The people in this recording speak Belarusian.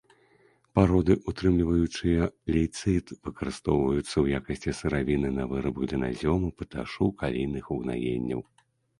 Пароды, утрымліваючыя лейцыт, выкарыстоўваюцца ў якасці сыравіны на выраб гліназёму, паташу, калійных угнаенняў.